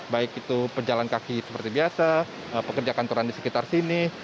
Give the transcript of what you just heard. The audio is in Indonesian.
baik itu pejalan kaki seperti biasa pekerja kantoran di sekitar sini